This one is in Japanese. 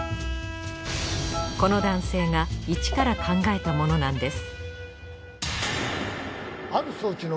この男性が一から考えたものなんです